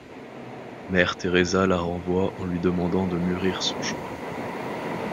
Mère Teresa la renvoie en lui demandant de mûrir son choix.